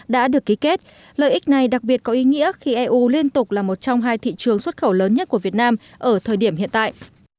đã được ký kết lợi ích này đặc biệt có ý nghĩa khi eu liên tục là một trong hai thị trường xuất khẩu lớn nhất của việt nam ở thời điểm hiện tại